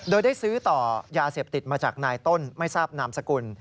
โดยได้ซื้อต่อยาเสพติดมาจากนายต้นไม่ทราบนามสกุล